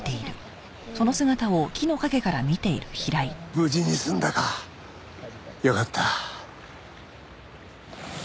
無事に済んだか。よかった。